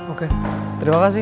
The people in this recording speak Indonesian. oke terima kasih